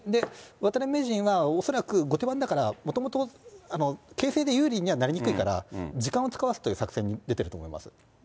で、渡辺名人が恐らく、後手盤だから、もともと形勢で有利にはなりにくいから、時間を使わすという作戦に出てると思います。